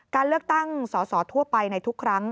การเลือกตั้งสอสอทั่วไปในทุกครั้ง